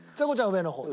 上の方。